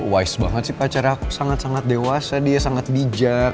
wise banget sih pacarnya aku sangat sangat dewasa dia sangat bijak